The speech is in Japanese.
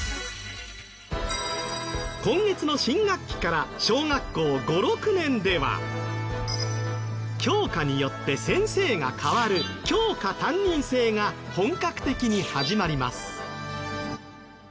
今月の新学期から小学校５・６年では教科によって先生が変わる教科担任制が本格的に始まります。